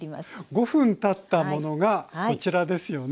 ５分たったものがこちらですよね。